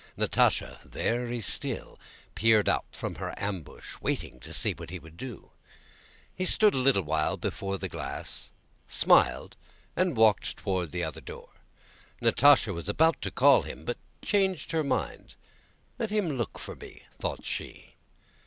Natásha, very still, peered out from her ambush, waiting to see what he would do. He stood a little while before the glass, smiled, and walked toward the other door. Natásha was about to call him but changed her mind. "Let him look for me," thought she.